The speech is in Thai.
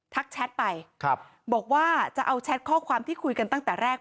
แชทไปบอกว่าจะเอาแชทข้อความที่คุยกันตั้งแต่แรก